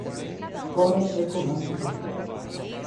Fórum Econômico Social